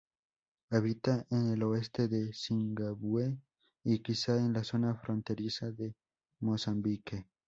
Habita en el oeste de Zimbabue y, quizá, en la zona fronteriza de Mozambique.